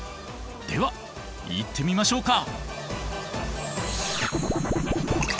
ではいってみましょうか！